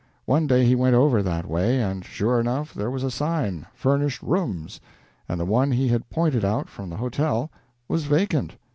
One day he went over that way, and, sure enough, there was a sign, "Furnished Rooms," and the one he had pointed out from the hotel was vacant.